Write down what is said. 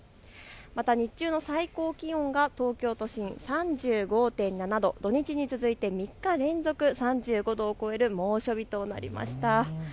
また日中の最高気温が東京都心３５．７度、土日に続いて３日連続３５度を超える猛暑日となりました。